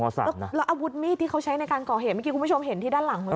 วันอาวุธมีดที่เขาใช้ในการก่อเหตุเพียงมากมายว่าคุณพุทธกับคนด้านหลัง